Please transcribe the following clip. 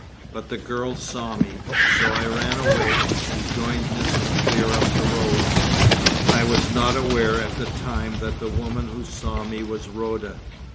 But the girl saw me, so I ran away, and joined Mrs. Clear up the road. I was not aware at the time that the woman who saw me was Rhoda.